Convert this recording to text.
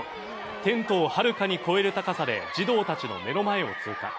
テントをはるかに超える高さで、児童たちの目の前を通過。